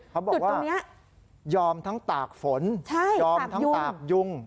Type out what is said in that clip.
เขาบอกว่ายอมทั้งตากฝนยอมทั้งตากยุง